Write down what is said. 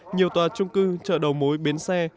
nhiều tòa trung cư chợ đầu mối bến xe